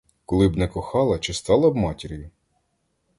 Коли б не кохала, чи стала б матір'ю?